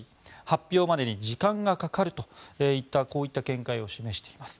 発表までに時間がかかるといったこういった見解を示しています。